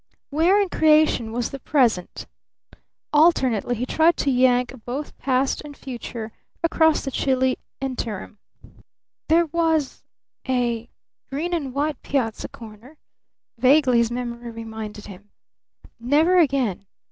Where in creation was the Present? Alternately he tried to yank both Past and Future across the chilly interim. "There was a green and white piazza corner," vaguely his memory reminded him. "Never again!"